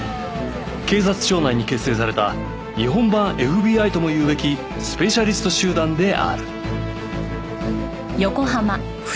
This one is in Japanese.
警察庁内に結成された日本版 ＦＢＩ とも言うべきスペシャリスト集団である